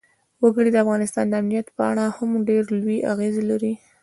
وګړي د افغانستان د امنیت په اړه هم ډېر لوی اغېز لري.